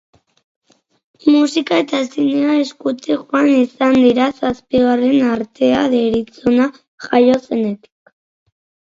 Musika eta zinea eskutik joan izan dira zazpigarren artea deritzona jaio zenetik.